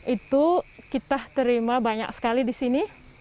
itu kita terima banyak sekali di sini